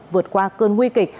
vượt qua cơn nguy kịch